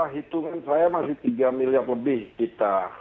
hitungan saya masih tiga miliar lebih kita